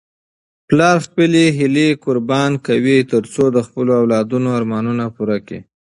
پلار خپلې هیلې قرباني کوي ترڅو د خپلو اولادونو ارمانونه پوره کړي.